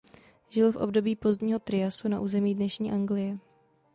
Žil v období pozdního Triasu na území dnešní Anglie.